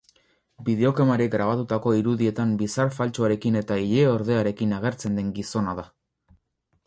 Bideokamerek grabatutako irudietan bizar faltsuarekin eta ileordearekin agertzen den gizona da.